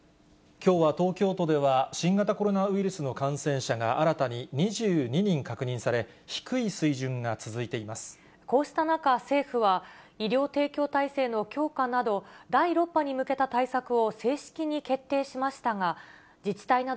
きょうは東京都では、新型コロナウイルスの感染者が、新たに２２人確認され、こうした中、政府は、医療提供体制の強化など、にっこりね。